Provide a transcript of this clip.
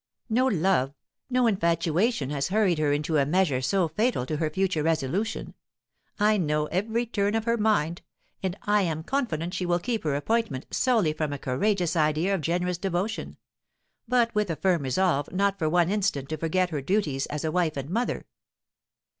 No love, no infatuation has hurried her into a measure so fatal to her future resolution. I know every turn of her mind; and I am confident she will keep her appointment solely from a courageous idea of generous devotion, but with a firm resolve not for one instant to forget her duties as a wife and mother.